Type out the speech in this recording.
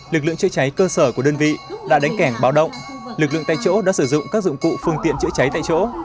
lực lượng chữa cháy cơ sở của đơn vị đã đánh cảnh báo động lực lượng tại chỗ đã sử dụng các dụng cụ phương tiện chữa cháy tại chỗ